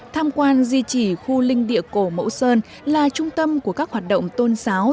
tham quan di chỉ khu linh địa cổ mẫu sơn là trung tâm của các hoạt động tôn giáo